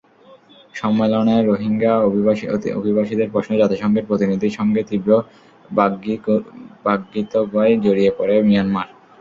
সম্মেলনে রোহিঙ্গা অভিবাসীদের প্রশ্নে জাতিসংঘের প্রতিনিধির সঙ্গে তীব্র বাগ্বিতণ্ডায় জড়িয়ে পড়ে মিয়ানমার।